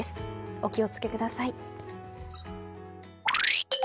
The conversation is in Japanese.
お気を付けください。